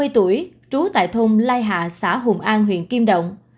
ba mươi tuổi trú tại thôn lai hạ xã hùng an huyện kim động